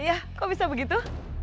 iya kok bisa begitu